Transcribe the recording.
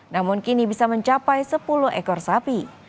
namun kini bisa mencapai sepuluh ekor sapi